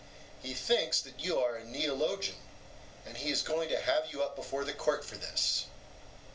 He thinks that you are a neologian, and he is going to have you up before the court for this.